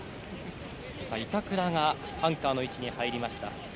板倉がアンカーの位置に入りました。